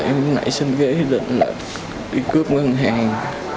em lại xin ghế định là đi cướp ngân hàng